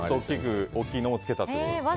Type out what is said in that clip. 大きいのをつけたってことですね。